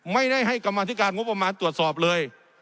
ไม่ได้ให้กรรมธิการงบประมาณตรวจสอบเลย